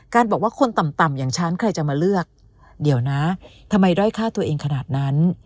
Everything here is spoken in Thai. บอกว่าคนต่ำอย่างฉันใครจะมาเลือกเดี๋ยวนะทำไมด้อยฆ่าตัวเองขนาดนั้น